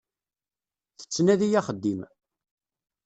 Tettnadi axeddim.